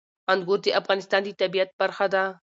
انګور د افغانستان د طبیعت برخه ده.